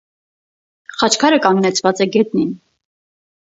Խաչքարը կանգնեցված է գետնին։